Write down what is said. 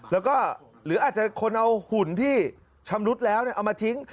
แล้วก็หรืออาจจะคนเอาหุ่นที่ชำรุดแล้วเอามาทิ้ง